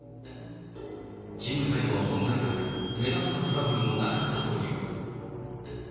勤務態度は問題なく、目立ったトラブルもなかったという。